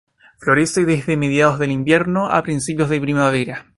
Florece desde mediados del invierno a principios de primavera.